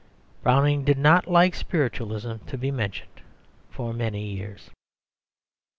Browning did not like spiritualism to be mentioned for many years.